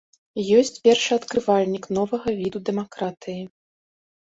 Ёсць першаадкрывальнік новага віду дэмакратыі.